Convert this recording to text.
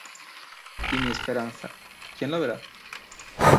Y mi esperanza ¿quién la verá?